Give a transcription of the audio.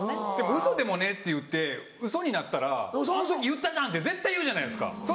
「ウソでもね」って言ってウソになったら「あの時言ったじゃん！」って絶対言うじゃないですか。